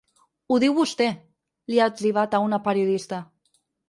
Ho diu vostè, li ha etzibat a una periodista.